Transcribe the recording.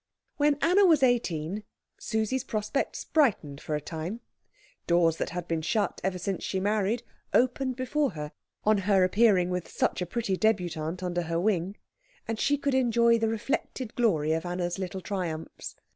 When Anna was eighteen, Susie's prospects brightened for a time. Doors that had been shut ever since she married, opened before her on her appearing with such a pretty débutante under her wing, and she could enjoy the reflected glory of Anna's little triumphs.